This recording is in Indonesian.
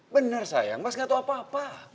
bener sayang mas gak tau apa apa